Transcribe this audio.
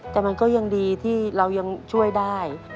แต่มันก็ยังดีที่เรายังช่วยได้